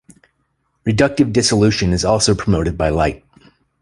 Reductive dissolution is also promoted by light.